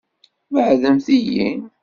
Beɛɛdemt-iyi!